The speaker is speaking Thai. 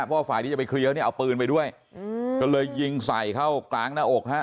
เพราะฝ่ายที่จะไปเคลียร์เนี่ยเอาปืนไปด้วยก็เลยยิงใส่เข้ากลางหน้าอกฮะ